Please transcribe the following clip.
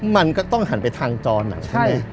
มันก็ต้องหันไปทางจรใช่ไหม